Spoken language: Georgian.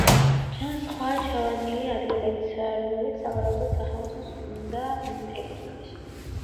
ჩანს სხვა ჩავარდნილი ადგილებიც, რომელიც, სავარაუდოდ, სახელოსნოს უნდა ეკუთვნოდეს.